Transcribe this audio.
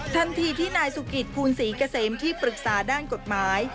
ทันทีที่นายสุกิตภูลศรีเกษมที่ปรึกษาด้านกฎหมาย